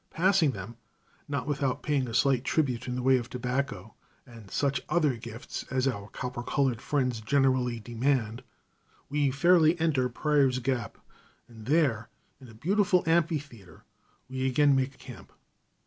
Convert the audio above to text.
Passing them, not without paying a slight tribute in the way of tobacco and such other gifts as our copper colored friends generally demand, we fairly enter Pryor's Gap, and there, in a beautiful amphitheater, we again make camp.